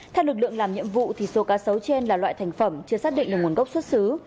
theo lực lượng làm nhiệm vụ số cá sấu trên là loại thành phẩm chưa xác định được nguồn gốc xuất xứ